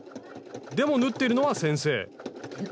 でも縫ってるのは先生。